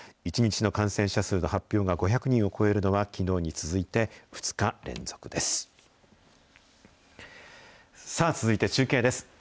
１日の感染者数の発表が５００人を超えるのは、きのうに続いて２日連続です。